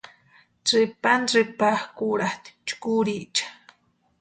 Tsïpantsïpakʼurhatʼi chkurhicha.